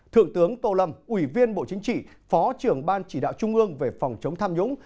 thượng tướng tô lâm ủy viên bộ chính trị phó trưởng ban chỉ đạo trung ương về phòng chống tham nhũng